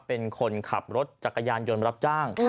เป็นคนขับรถจักรยานยนต์รับจ้าง